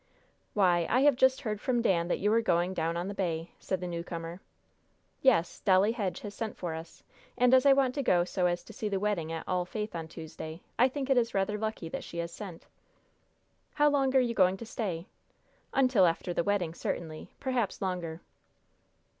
"Why, I have just heard from Dan that you are going Down on the Bay," said the newcomer. "Yes; Dolly Hedge has sent for us; and as I wanted to go so as to see the wedding at All Faith on Tuesday, I think it is rather lucky that she has sent." "How long are you going to stay?" "Until after the wedding, certainly; perhaps longer."